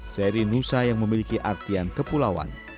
seri nusa yang memiliki artian kepulauan